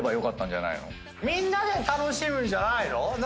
みんなで楽しむんじゃないの？